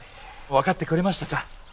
分かってくれましたか？